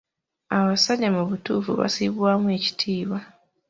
Abasajja mu butuufu bassibwamu ekitiibwa.